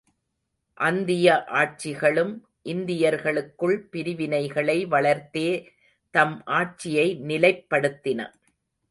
அந்திய ஆட்சிகளும் இந்தியர்களுக்குள் பிரிவினைகளை வளர்த்தே தம் ஆட்சியை நிலைப்படுத்தின.